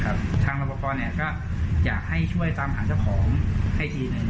ทางรับประกอบก็อยากให้ช่วยตามหาเจ้าของให้ทีหนึ่ง